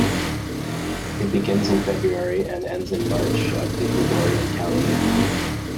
It begins in February and ends in March of the Gregorian calendar.